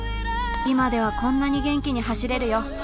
今ではこんなに元気に走れるよ！